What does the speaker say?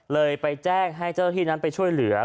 เลยไปแจ้งให้เจ้าหน้าที่นั้นไปช่วยเหลือ